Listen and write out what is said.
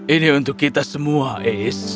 ini untuk kita semua ais